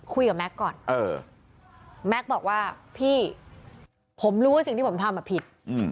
แก๊กก่อนแม็กซ์บอกว่าพี่ผมรู้ว่าสิ่งที่ผมทำผิด